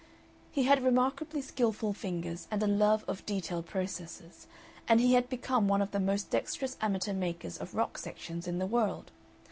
He had remarkably skilful fingers and a love of detailed processes, and he had become one of the most dexterous amateur makers of rock sections in the world.